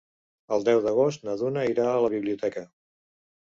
El deu d'agost na Duna irà a la biblioteca.